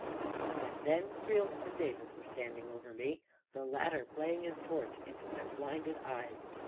. And then Creel and Davis were standing over me, the latter playing his torch into my blinded eyes.